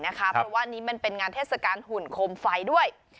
เพราะว่านี้มันเป็นงานเทศกาลหุ่นโคมไฟด้วย